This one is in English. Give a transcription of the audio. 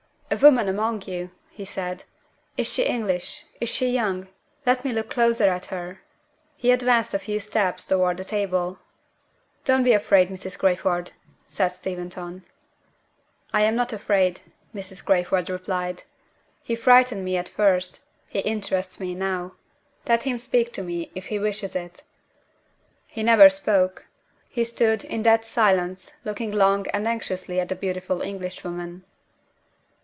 "A woman among you!" he said. "Is she English? Is she young? Let me look closer at her." He advanced a few steps toward the table. "Don't be afraid, Mrs. Crayford," said Steventon. "I am not afraid," Mrs. Crayford replied. "He frightened me at first he interests me now. Let him speak to me if he wishes it!" He never spoke. He stood, in dead silence, looking long and anxiously at the beautiful Englishwoman.